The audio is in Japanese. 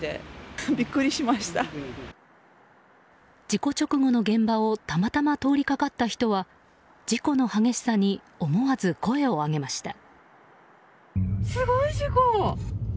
事故直後の現場をたまたま通りかかった人は事故の激しさに思わず声を上げました。